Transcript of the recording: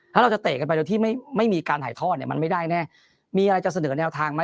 ถ้าเราจะเตะกันไปโดยที่ไม่มีการถ่ายทอดเนี่ยมันไม่ได้แน่มีอะไรจะเสนอแนวทางไหม